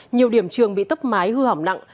nhiều điểm trường bị tốc mái hư hỏng nặng